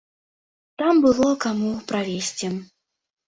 Там было каму правесці.